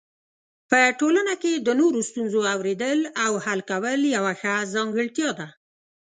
په ټولنه کې د نورو ستونزو اورېدل او حل کول یو ښه ځانګړتیا ده.